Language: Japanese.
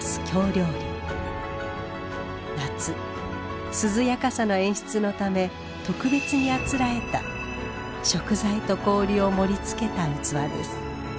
夏涼やかさの演出のため特別にあつらえた食材と氷を盛りつけた器です。